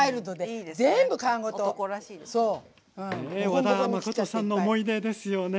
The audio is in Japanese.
和田誠さんの思い出ですよね